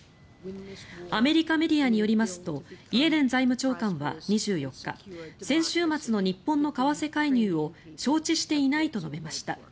アメリカメディアによりますとイエレン財務長官は２４日先週末の日本の為替介入を承知していないと述べました。